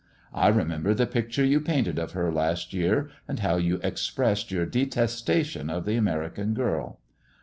I remember the picture you painted of her last year, and how you expressed yoiu* detestation of the American girl.